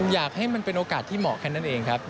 อยากให้มันเป็นโอกาสที่เหมาะแค่นั้นเองครับ